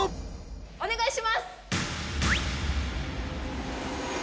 お願いします！